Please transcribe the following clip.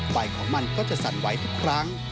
ไฟของมันก็จะสั่นไหวทุกครั้ง